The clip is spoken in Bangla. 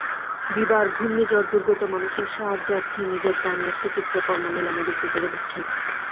বিবার ঘূর্ণিঝড়-দুর্গত মানুষের সাহায্যার্থে নিজের দামি একটি চিত্রকর্ম নিলামে বিক্রি করে দিচ্ছেন।